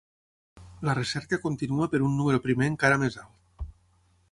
La recerca continua per un número primer encara més alt.